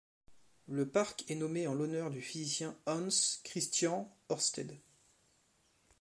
Le parc est nommé en l'honneur du physicien Hans Christian Ørsted.